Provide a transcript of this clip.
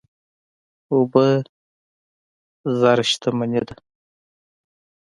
اوبه زر شتمني ده.